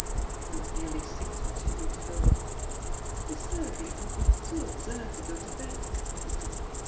It was nearly six when she reached home; "Decidedly it would be too absurd to go to bed," she thought.